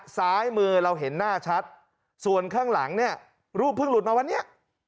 ซ้ายมือเราเห็นหน้าชัดส่วนข้างหลังเนี่ยรูปเพิ่งหลุดมาวันนี้